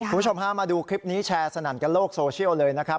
คุณผู้ชมฮะมาดูคลิปนี้แชร์สนั่นกันโลกโซเชียลเลยนะครับ